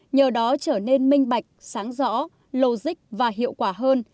nhờ đó trở nên minh bạch sáng rõ lô dích và hiệu quả hơn